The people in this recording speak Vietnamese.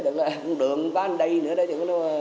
được đường có anh đây nữa đó chứ